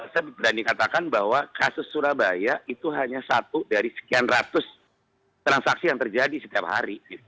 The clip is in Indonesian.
saya berani katakan bahwa kasus surabaya itu hanya satu dari sekian ratus transaksi yang terjadi setiap hari